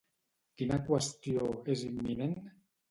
Quina qüestió és imminent?